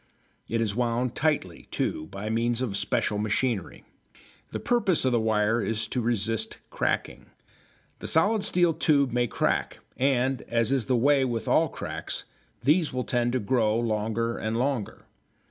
It is wound tightly, too, by means of special machinery. The purpose of the wire is to resist cracking. The solid steel tubes may crack, and, as is the way with all cracks, these will tend to grow longer and longer.